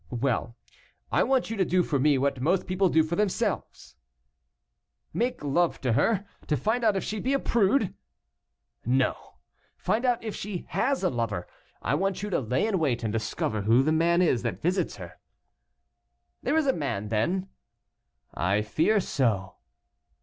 "Well, I want you to do for me what most people do for themselves." "Make love to her, to find out if she be a prude?" "No, find out if she has a lover. I want you to lay in wait and discover who the man is that visits her." "There is a man then?" "I fear so."